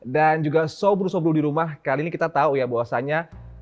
dan juga sobru sobru di rumah kali ini kita tahu ya bahwasanya